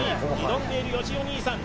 挑んでいるよしお兄さん